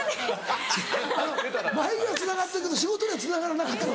眉毛はつながったけど仕事にはつながらなかった？